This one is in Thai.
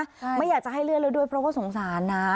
ไม่อยากจะให้เลื่อนแล้วด้วยเพราะว่าสงสารนะ